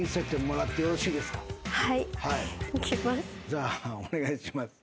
じゃあお願いします。